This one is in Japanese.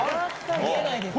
見えないですけど。